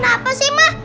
mama kenapa sih mah